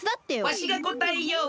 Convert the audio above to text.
わしがこたえよう。